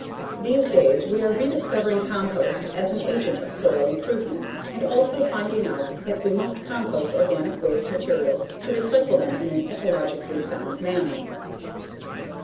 These days we are rediscovering compost as an agent of soil improvement and also finding out that we must compost organic waste materials to recycle them in an ecologically sound manner.